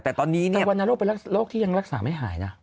แต่วัณโรคเป็นโรคที่ยังรักษาไม่หายนะ